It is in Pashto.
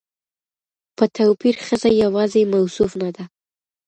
په توپير ښځه يواځې موصوف نه ده